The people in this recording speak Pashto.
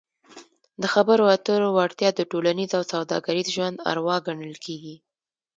د خبرو اترو وړتیا د ټولنیز او سوداګریز ژوند اروا ګڼل کیږي.